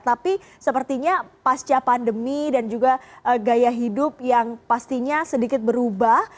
tapi sepertinya pasca pandemi dan juga gaya hidup yang pastinya sedikit berubah